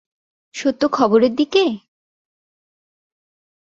সত্য খবরের দিকে?